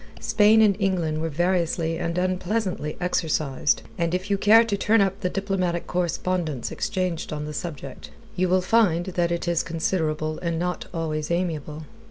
Spain and England were variously and unpleasantly exercised, and if you care to turn up the diplomatic correspondence exchanged on the subject, you will find that it is considerable and not always amiable.